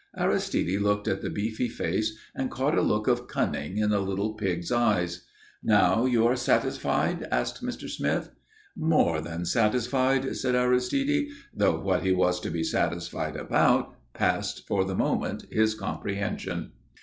Aristide looked at the beefy face and caught a look of cunning in the little pig's eyes. "Now are you satisfied?" asked Mr. Smith. "More than satisfied," said Aristide, though what he was to be satisfied about passed, for the moment, his comprehension.